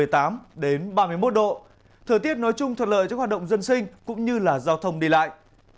nhiệt độ ngày đêm ở đây là từ một mươi tám đến ba mươi một độ thời tiết nói chung thuận lợi cho hoạt động dân sinh cũng như là giao thông đi lại